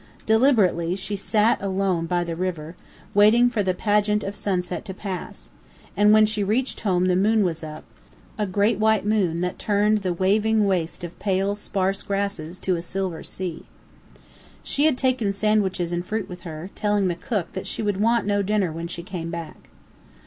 Deliberately, she sat alone by the river, waiting for the pageant of sunset to pass; and when she reached home the moon was up, a great white moon that turned the waving waste of pale, sparse grasses to a silver sea. She had taken sandwiches and fruit with her, telling the cook that she would want no dinner when she came back.